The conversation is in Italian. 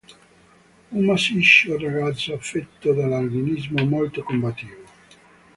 Un massiccio ragazzo affetto da albinismo molto combattivo.